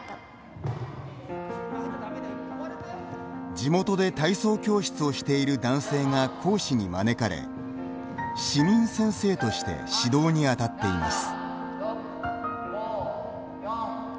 地元で体操教室をしている男性が講師に招かれ市民先生として指導にあたっています。